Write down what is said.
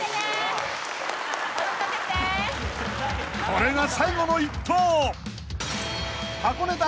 ［これが最後の１投］